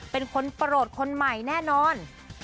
เป็นคนโปรดคนใหม่แน่นอน